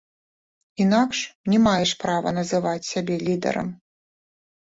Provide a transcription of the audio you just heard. Інакш не маеш права называць сябе лідарам.